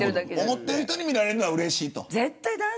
思っている人に見られるのはうれしいと。